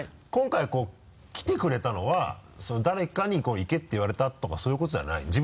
今回来てくれたのは誰かに行けって言われたとかそういうことじゃない？